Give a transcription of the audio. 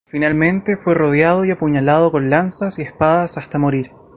Finalmente fue rodeado y apuñalado con lanzas y espadas hasta morir.